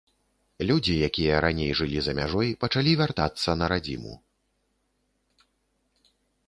Людзі, якія раней жылі за мяжой, пачалі вяртацца на радзіму.